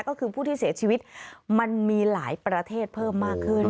ก็คือผู้ที่เสียชีวิตมันมีหลายประเทศเพิ่มมากขึ้น